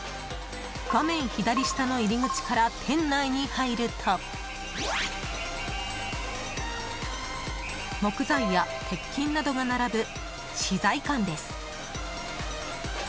画面左下の入り口から店内に入ると木材や鉄筋などが並ぶ資材館です。